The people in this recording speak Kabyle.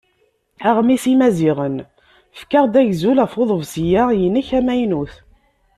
Aɣmis n Yimaziɣen: "Efk-aɣ-d agzul ɣef uḍebsi-a-inek amaynut.